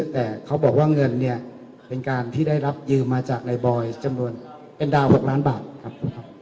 แต่เขาบอกว่าเงินเนี่ยเป็นการที่ได้รับยืมมาจากนายบอยจำนวนเป็นดาว๖ล้านบาทครับ